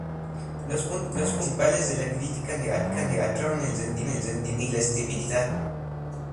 Los puntos principales de la crítica negativa fueron el rendimiento y la estabilidad.